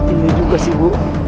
ini juga sih bu